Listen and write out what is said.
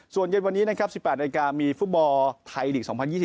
ส่วนเย็นวันนี้๑๘นาทีการมีฟุตบอลไทยหลีก๒๐๒๐